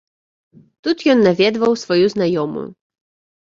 Тут ён наведваў сваю знаёмую.